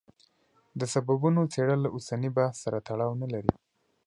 د سببونو څېړل اوسني بحث سره تړاو نه لري.